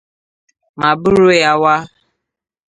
ma buru ya waa